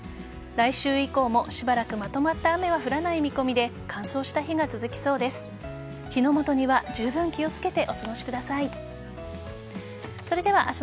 来週以降もしばらくまとまった雨は降らない見込みで乾燥した日が続きそうです。